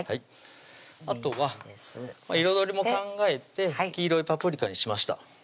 あとは彩りも考えて黄色いパプリカにしました